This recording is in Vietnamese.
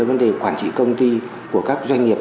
vấn đề quản trị công ty của các doanh nghiệp